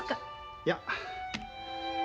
いや。